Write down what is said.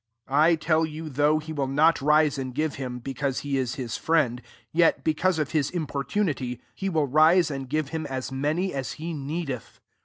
' 8 I tell you, thougt^ he will not rise and give hiniai. because he is his friend, jet be^ cause of his importunity, he will rise and give him as ta%t^p, as he needeth.